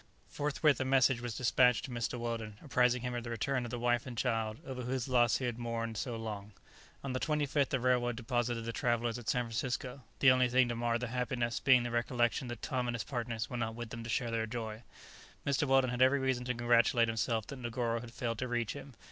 Forthwith a message was despatched to Mr. Weldon, apprising him of the return of the wife and child over whose loss he had mourned so long On the 25th the railroad deposited the travellers at San Francisco, the only thing to mar their happiness being the recollection that Tom and his partners were not with them to share their joy. Mr. Weldon had every reason to congratulate himself that Negoro had failed to reach him.